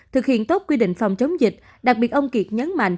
thực hiện tốt quy định phòng chống dịch đặc biệt ông kiệt nhấn mạnh